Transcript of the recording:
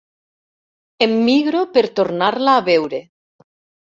Em migro per tornar-la a veure.